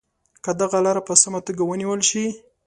که دغه لاره په سمه توګه ونیول شي.